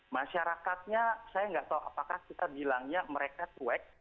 masyarakatnya saya nggak tahu apakah kita bilangnya mereka cuek